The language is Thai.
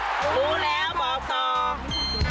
รู้แล้วหมอทอง